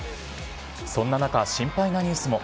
そんな中、心配なニュースも。